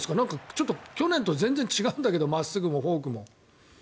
ちょっと去年と全然違うんだけど真っすぐも、フォークも。